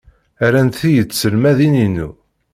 Rant-iyi tselmadin-inu.